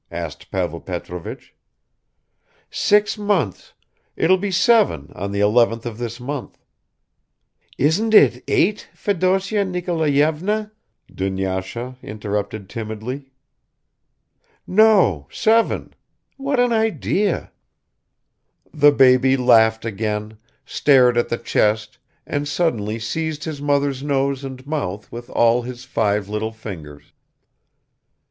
asked Pavel Petrovich. "Six months, it will be seven on the eleventh of this month." "Isn't it eight, Fedosya Nikolayevna?" Dunyasha interrupted timidly. "No, seven. What an idea!" The baby laughed again, stared at the chest and suddenly seized his mother's nose and mouth with all his five little fingers.